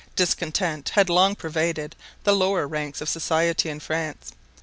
Discontent had long pervaded the lower ranks of society in France.